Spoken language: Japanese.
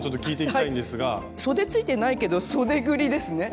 そでついてないけどそでぐりですね。